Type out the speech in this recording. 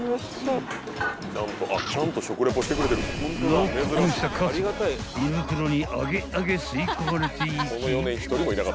［ロックオンしたかつは胃袋にアゲアゲ吸い込まれていき］